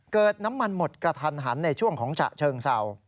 เกิดน้ำมันหมดกระทันหันในช่วงของฉะเชิงเศร้า